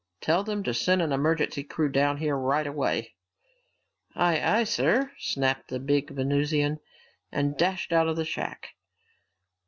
Tell them to send an emergency crew down here right away." "Aye, aye, sir," snapped the big Venusian and dashed out of the shack.